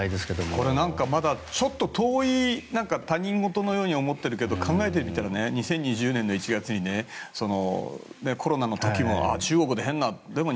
これ、何かまだちょっと遠い他人事のように思っているけど考えてみたら２０２０年の１月コロナの時も中国で変なものが。